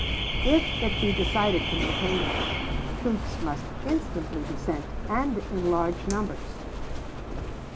If it be decided to maintain them, troops must instantly be sent and in large numbers."